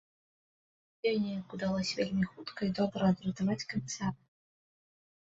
Ёй неяк удалося вельмі хутка і добра адратаваць камісара.